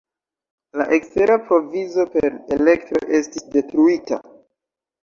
La ekstera provizo per elektro estis detruita.